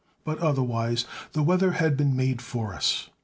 But otherwise the weather had been made for us.